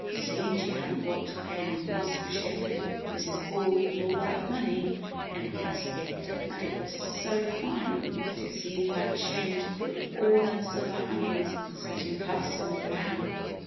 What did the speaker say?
"Seein' she hadn't got to pay any costs for shippin', Mrs. Ball put all that money in a casket and it was so fine that it seemed like a shame to put all them silver handles and satin puffs in the ground.